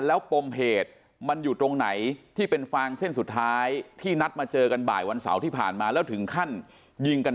แล้วปมเหตุมันอยู่ตรงไหนที่เป็นฟางเส้นสุดท้าย